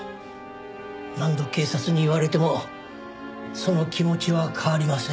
何度警察に言われてもその気持ちは変わりません。